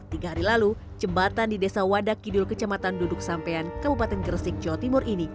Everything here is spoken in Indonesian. tiga hari lalu jembatan di desa wadak kidul kecamatan duduk sampean kabupaten gresik jawa timur ini